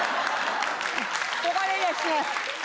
ここでですね